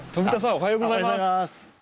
おはようございます。